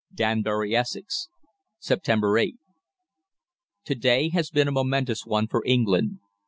"DANBURY, ESSEX, September 8. "To day has been a momentous one for England.